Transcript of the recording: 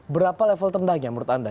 berapa level terendahnya menurut anda